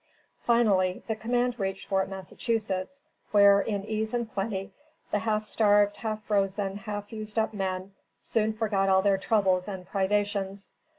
Finally, the command reached Fort Massachusetts, where, in ease and plenty, the half starved, half frozen, half used up men soon forgot all their troubles and privations.